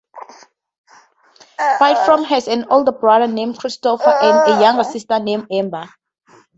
Pyfrom has an older brother named Christopher and a younger sister named Amber.